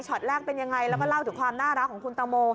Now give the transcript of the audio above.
ตแรกเป็นยังไงแล้วก็เล่าถึงความน่ารักของคุณตังโม